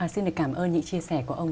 xin được cảm ơn những chia sẻ của ông